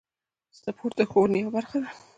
سپورت د ښوونې یوه برخه ده.